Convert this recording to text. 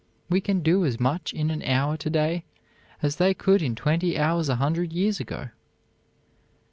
We can do as much in an hour to day as they could in twenty hours a hundred years ago.